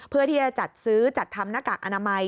เพื่อที่จะจัดซื้อจัดทำหน้ากากอนามัย